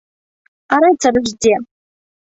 А рыцары ж дзе?